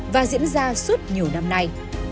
và diễn ra suốt nhiều năm nay